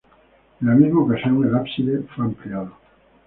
En la misma ocasión, el ábside fue ampliado.